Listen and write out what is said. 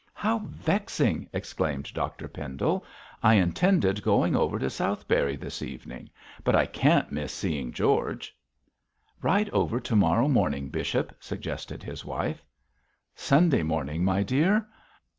'How vexing!' exclaimed Dr Pendle. 'I intended going over to Southberry this evening, but I can't miss seeing George.' 'Ride over to morrow morning, bishop,' suggested his wife. 'Sunday morning, my dear!'